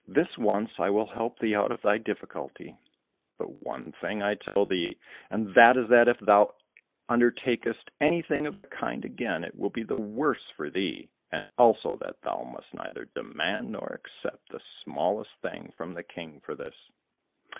"This once, I will help thee out of thy difficulty, but one thing I tell thee, and that is that if ever thou undertakest anything of the kind again, it will be the worse for thee, and also that thou must neither demand nor accept the smallest thing from the King for this!"